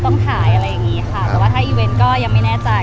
ต้องถ่ายอะไรอย่างนี้ค่ะแต่ว่าถ้าอีเวนต์ก็ยังไม่แน่ใจ